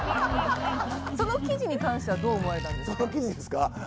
その記事に関してはどう思われたんですか。